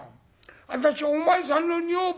私お前さんの女房」。